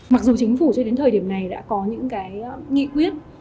mặc dù chính phủ cho đến thời điểm này đã có những cái nghị quyết